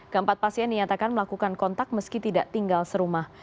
keempat pasien dinyatakan melakukan kontak meski tidak tinggal serumah